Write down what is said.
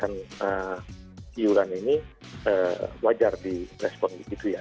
karena iuran ini wajar di respon gitu ya